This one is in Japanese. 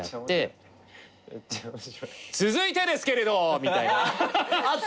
続いてですけれど！みたいな。圧！